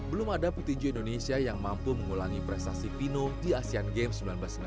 belum ada petinju indonesia yang mampu mengulangi prestasi pino di asean games seribu sembilan ratus enam puluh